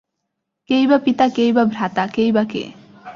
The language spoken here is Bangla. কেই বা পিতা, কেই বা ভ্রাতা, কেই বা কে?